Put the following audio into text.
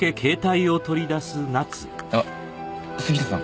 あっ杉下さん。